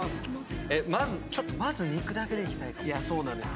まずちょっとまず肉だけでいきたいかも。